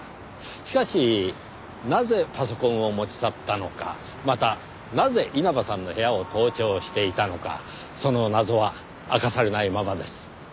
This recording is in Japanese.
しかしなぜパソコンを持ち去ったのかまたなぜ稲葉さんの部屋を盗聴していたのかその謎は明かされないままです。